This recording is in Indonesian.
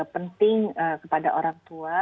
penting kepada orang tua